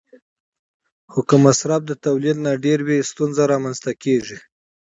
خو که مصرف د تولید نه ډېر وي، ستونزې رامنځته کېږي.